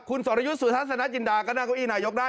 คุณสรยุทธ์สุทัศนจินดาก็นั่งเก้าอี้นายกได้